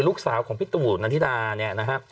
ลูกสาวของพี่ตูหูดดีตรา